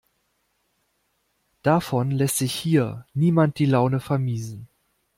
Davon lässt sich hier niemand die Laune vermiesen.